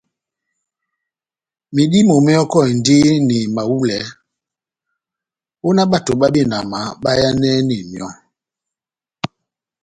Medímo mehɔkɔhindini mahulɛ ó nah bato bá benama bayɛ́nɛni myɔ́.